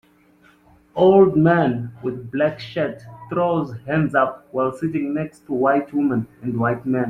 Old man with black shirt throws hands up while sitting next to white woman and white man.